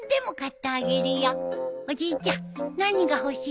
おじいちゃん何が欲しい？